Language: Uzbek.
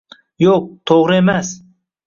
Yo‘q, to‘g‘ri emas!